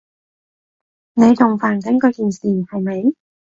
你仲煩緊佢件事，係咪？